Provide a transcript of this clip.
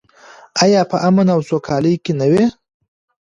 آیا په امن او سوکالۍ کې نه وي؟